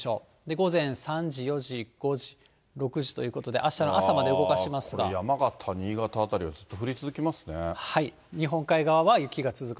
午前３時、４時、５時、６時ということで、これ山形、新潟辺りはずっと日本海側は雪が続く。